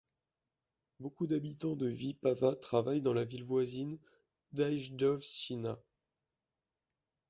Beaucoup d'habitants de Vipava travaillent dans la ville voisine d'Ajdovščina.